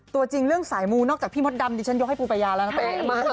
ตัวจริงเรื่องสายมูนอกจากพี่มดดำดิฉันยกให้ปูปายาแล้วนะ